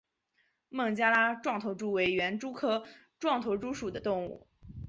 孟加拉壮头蛛为园蛛科壮头蛛属的动物。